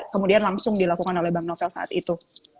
kemudian langsung dilakukan oleh bang novel saat itu